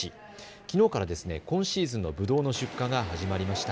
きのうから今シーズンのぶどうの出荷が始まりました。